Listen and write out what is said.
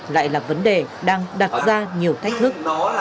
lại là vấn đề đang đặt ra nhiều thách thức